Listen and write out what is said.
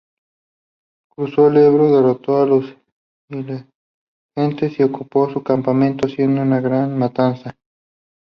Cruzó el Ebro, derrotó los ilergetes y ocupó su campamento haciendo una gran matanza.